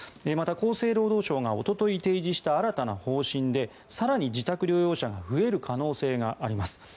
また、厚生労働省がおととい提示した新たな方針で更に自宅療養者が増える可能性があります。